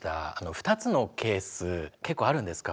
２つのケース結構あるんですか？